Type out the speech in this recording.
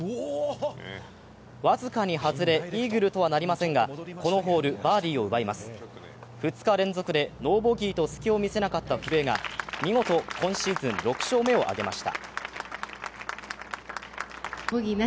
僅かに外れイーグルとはなりませんが、このホール、バーディーを奪います２日連続でノーボギーと隙を見せなかった古江が見事、今シーズン６勝目を挙げました。